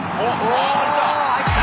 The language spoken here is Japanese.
あっ入った！